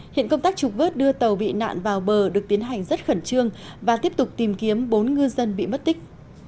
hiện công tác trục vớt đưa tàu bị nạn vào bờ được tiến hành rất khẩn trương và tiếp tục tìm kiếm bốn ngư dân bị mất tích